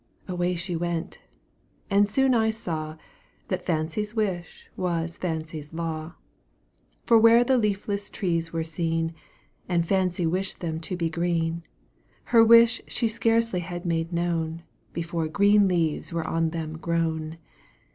Away she went; and soon I saw, That Fancy's wish was Fancy's law; For where the leafless trees were seen, And Fancy wished them to be green, Her wish she scarcely had made known, Before green leaves were on them grown.